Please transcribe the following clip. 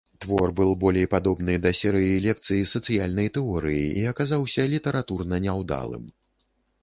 Твор быў болей падобны да серыі лекцый сацыяльнай тэорыі і аказаўся літаратурна няўдалым.